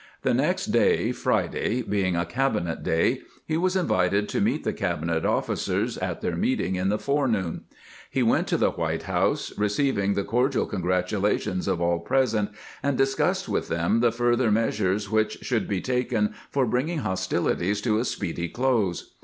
The next day (Friday) being a cabinet day, he was invited to meet the cabinet officers at their meeting in the forenoon. He went to the White House, receiving the cordial cocgratulations of all present, and discussed with them the further measures which shoidd be taken for bringing hostilities to a speedy close.